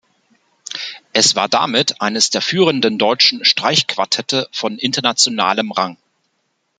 Es war damit eines der führenden deutschen Streichquartette von internationalem Rang.